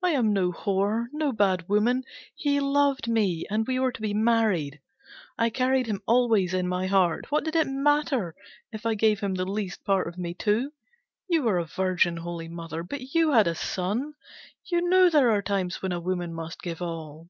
I am no whore, no bad woman, he loved me, and we were to be married. I carried him always in my heart, what did it matter if I gave him the least part of me too? You were a virgin, Holy Mother, but you had a son, you know there are times when a woman must give all.